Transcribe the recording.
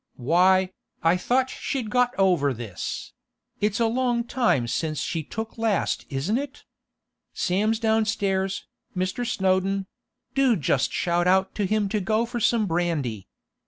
'Why, I thought she'd got over this; it's a long time since she was took last isn't it? Sam's downstairs, Mr. Snowdon; do just shout out to him to go for some brandy.